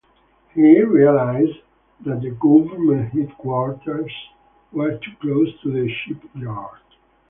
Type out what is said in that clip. He realised that the government headquarters were too close to the shipyard.